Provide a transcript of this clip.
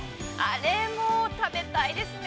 あれも食べたいですね。